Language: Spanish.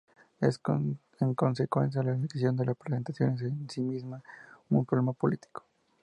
En consecuencia, la elección de la presentación es en sí misma un problema político.